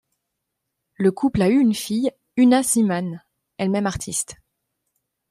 Le couple a eu une fille, Una Szeemann, elle-même artiste.